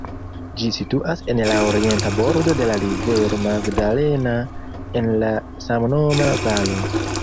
Ĝi situas en la orienta bordo de la rivero Magdalena, en la samnoma valo.